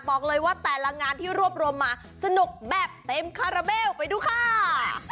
บอกเลยว่าแต่ละงานที่รวมมาสนุกแบบเต็มฯไปดูค่ะ